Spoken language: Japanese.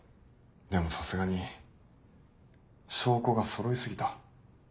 でもさすがに証拠がそろい過ぎた。